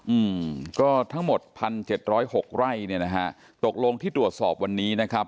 อืมก็ทั้งหมด๑๗๐๖ไร่ตกลงที่ตรวจสอบวันนี้นะครับ